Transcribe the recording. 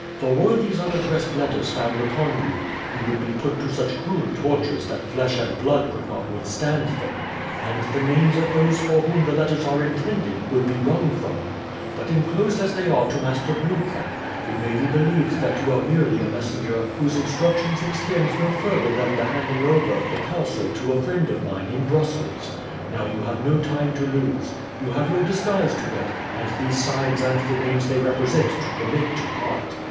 For were these unaddressed letters found upon you, you would be put to such cruel tortures that flesh and blood could not withstand them, and the names of those for whom these letters are intended would be wrung from you; but inclosed as they are to Master Blue Cap, it may be believed that you are merely a messenger whose instructions extend no further than the handing over the parcel to a friend of mine in Brussels. Now, you have no time to lose. You have your disguise to get, and these signs and the names they represent to commit to heart.